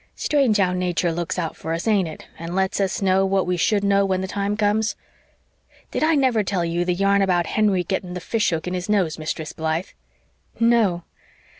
Strange how nature looks out for us, ain't it, and lets us know what we should know when the time comes? Did I never tell you the yarn about Henry getting the fish hook in his nose, Mistress Blythe?" "No."